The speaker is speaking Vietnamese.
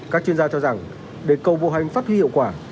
các chuyên gia cho rằng để cầu bộ hành phát huy hiệu quả